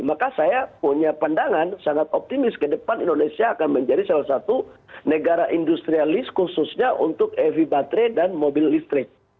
maka saya punya pandangan sangat optimis ke depan indonesia akan menjadi salah satu negara industrialis khususnya untuk ev baterai dan mobil listrik